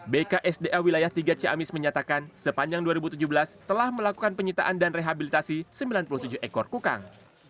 bksda wilayah tiga ciamis menyatakan sepanjang dua ribu tujuh belas telah melakukan penyitaan dan rehabilitasi sembilan puluh tujuh ekor kukang